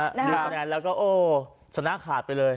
ดูคะแนนแล้วก็โอ้ชนะขาดไปเลย